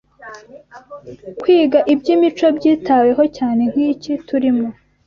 kwiga iby’imico byitaweho cyane nk’iki turimo